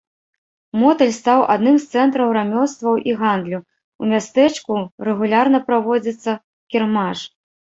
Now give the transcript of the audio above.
Моталь стаў адным з цэнтраў рамёстваў і гандлю, у мястэчку рэгулярна праводзіцца кірмаш.